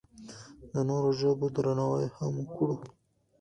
د نورو ژبو درناوی هم وکړو.